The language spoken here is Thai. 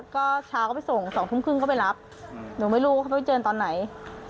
ก็เช้าก็ไปส่ง๒ทุ่มครึ่งก็ไปรับหนูไม่รู้ว่าเขาไปเจอตอนไหน